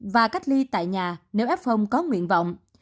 và cách ly tại nhà nếu f có nguyện vọng